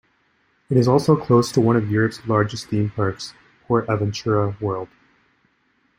It is also close to one of Europe's largest theme parks, PortAventura World.